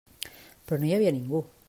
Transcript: Però no hi havia ningú.